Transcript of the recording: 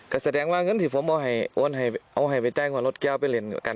อย่างนั้นฝากไฟแนนซ์ไปล่า